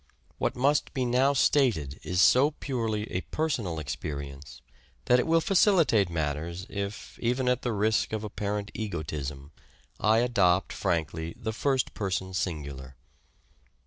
What must be now stated is so purely a personal experience, that it will facilitate matters if, even at the risk of apparent egotism, I adopt frankly the First Person Singular.